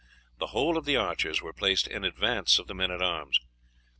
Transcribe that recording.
The whole of the archers were placed in advance of the men at arms.